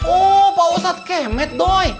oh pak ustadz kemet dong